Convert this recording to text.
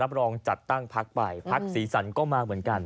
รองจัดตั้งพักไปพักสีสันก็มาเหมือนกัน